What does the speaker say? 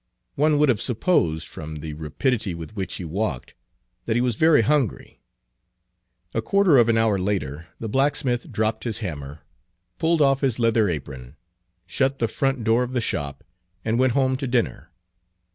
One would have supposed, from the rapidity with which he walked, that he was very hungry. A quarter of an hour later the blacksmith dropped his hammer, pulled off his leather apron, shut the front door of the shop, and went home to dinner.